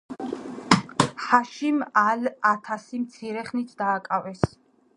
ჰაშიმ ალ-ათასი მცირე ხნით დააკავეს.